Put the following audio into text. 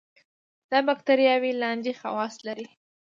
دا باکتریاوې لاندې خواص لري.